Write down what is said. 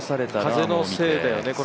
風のせいだよね